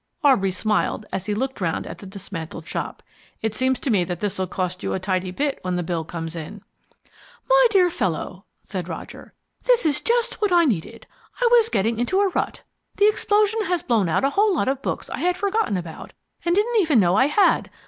Aubrey smiled as he looked round at the dismantled shop. "It seems to me that this'll cost you a tidy bit when the bill comes in." "My dear fellow," said Roger, "This is just what I needed. I was getting into a rut. The explosion has blown out a whole lot of books I had forgotten about and didn't even know I had.